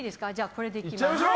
これでいきます。